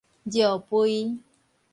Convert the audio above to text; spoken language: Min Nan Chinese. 尿蜚